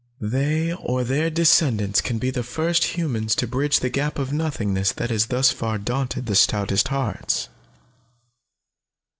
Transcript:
They or their descendants can be the first humans to bridge the gap of nothingness that has thus far daunted the stoutest hearts."